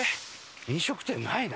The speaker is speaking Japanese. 飲食店ないな。